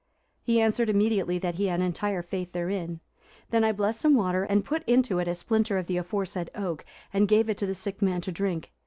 He answered immediately that he had entire faith therein. Then I blessed some water, and put into it a splinter of the aforesaid oak, and gave it to the sick man to drink.